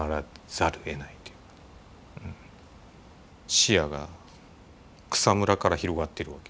視野が草むらから広がってるわけ。